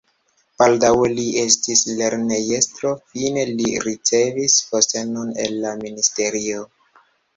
Baldaŭe li estis lernejestro, fine li ricevis postenon en la ministerio.